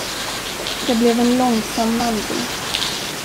Det blev en långsam vandring.